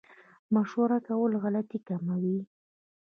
مشوره کول غلطي کموي